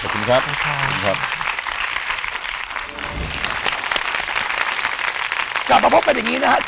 กลับมาพบกันอย่างนี้นะฮะ